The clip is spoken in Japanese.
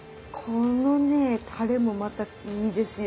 このねタレもまたいいですよ。